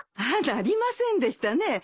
ああなりませんでしたね。